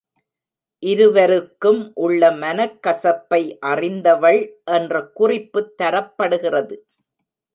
இருவருக்கும் உள்ள மனக்கசப்பை அறிந்தவள் என்ற குறிப்புத் தரப்படுகிறது.